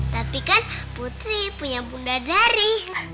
tapi kan putri punya bunda dari